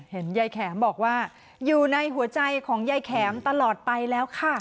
เห็นยายแข็มบอกว่าอยู่ในหัวใจของยายแข็มตลอดไปแล้วค่ะ